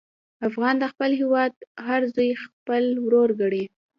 افغان د خپل هېواد هر زوی خپل ورور ګڼي.